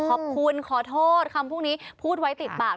ขอโทษคำพวกนี้พูดไว้ติดปาก